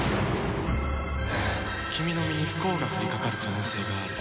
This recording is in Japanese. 君の身に不幸が降りかかる可能性がある。